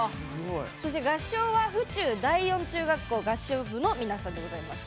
そして合唱は府中第四中学校合唱部の皆さんでございます。